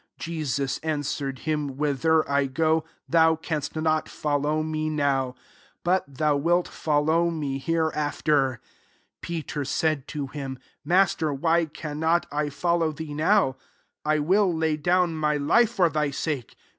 Jesus answered him, " Whither I go, thou canst not follow me now ; but thou wilt follow me hereafter." 37 Peter said to him, " Master, why cannot I follow thee now? I will lay down my life for thy sake."